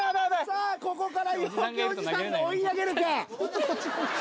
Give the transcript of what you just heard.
さあここから陽気おじさんが追い上げるか⁉どうだ？